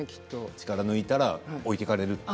力を抜いたら置いていかれると。